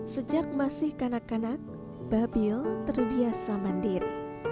sejak masih kanak kanak babil terbiasa mandiri